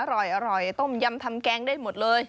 อร่อยต้มยำทำแกงได้หมดเลย